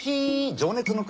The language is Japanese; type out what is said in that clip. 情熱の国